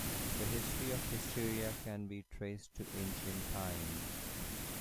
The history of hysteria can be traced to ancient times.